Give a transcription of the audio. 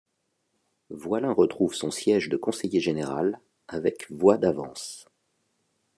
Voilin retrouve son siège de Conseiller général, avec voix d'avance.